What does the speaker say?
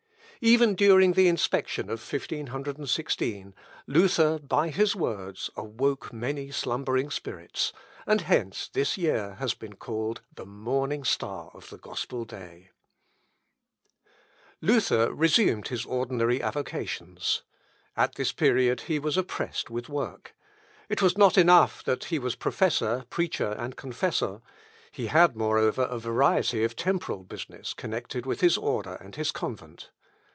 Even during the inspection of 1516, Luther by his words awoke many slumbering spirits, and hence this year has been called "the morning star of the gospel day." "Heiliglich, friedlich und züchtig." (Mathes. p. 10.) Luther resumed his ordinary avocations. At this period he was oppressed with work; it was not enough that he was professor, preacher, and confessor; he had, moreover, a variety of temporal business connected with his order and his convent.